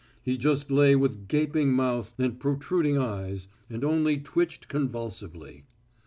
He just lay with gaping mouth and protruding eyes, and only twitched convulsively.